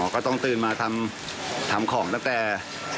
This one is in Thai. อ๋อก็ต้องตื่นมาทำทำของตั้งแต่๓ทุ่ม